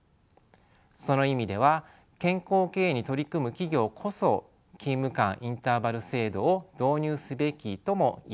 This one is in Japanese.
その意味では健康経営に取り組む企業こそ勤務間インターバル制度を導入すべきとも言えるでしょう。